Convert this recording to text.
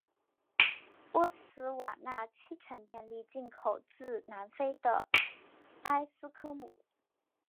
博茨瓦纳七成电力进口自南非的埃斯科姆。